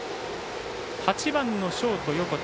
８番のショート、横田。